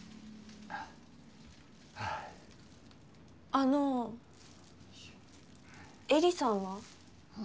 あの絵里さんは？